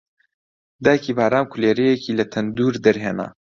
دایکی بارام کولێرەیەکی لە تەندوور دەرهێنا